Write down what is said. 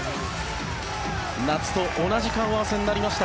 夏と同じ顔合わせになりました